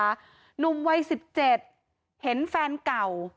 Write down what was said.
หนุ่มวัย๑๗เห็นแฟนเก่า